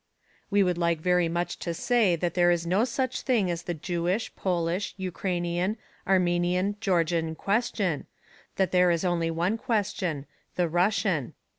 We would like very much to say that there is no such thing as the Jewish, Polish, Ukrainian, Armenian, Georgian, question, that there is only one question the Russian.